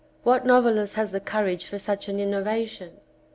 What noveHst has the courage for such an innovation